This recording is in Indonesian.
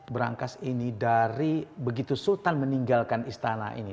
berangkas ini dari begitu sultan meninggalkan istana ini